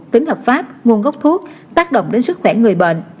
tính hợp pháp nguồn gốc thuốc tác động đến sức khỏe người bệnh